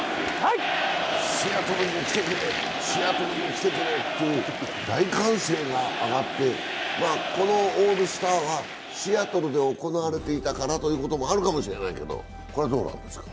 シアトルに来てくれ、シアトルに来てくれという大歓声が上がってこのオールスターはシアトルで行われていたからということもあるかもしれないけど、これはどうなんですか？